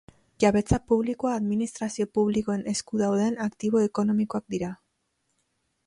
Jabetza publikoa administrazio publikoen esku dauden aktibo ekonomikoak dira.